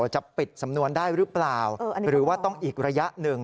จะปิดสำนวนได้หรือเปล่าหรือว่าต้องอีกระยะหนึ่ง